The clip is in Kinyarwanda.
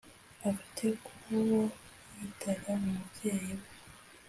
afite ku wo yitaga umubyeyi we